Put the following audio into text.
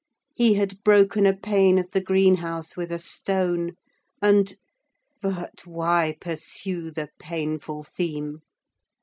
He had broken a pane of the greenhouse with a stone and.... But why pursue the painful theme?